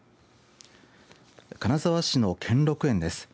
金沢市の兼六園です。